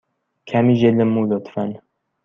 کمی ژل مو، لطفا.